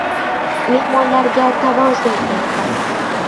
Mehmonlarga tavoze etdim.